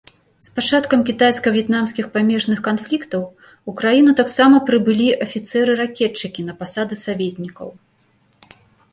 З пачаткам кітайска-в'етнамскіх памежных канфліктаў у краіну таксама прыбылі афіцэры-ракетчыкі на пасады саветнікаў.